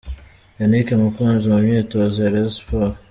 Yannick Mukunzi mu myitozo ya Rayon sport.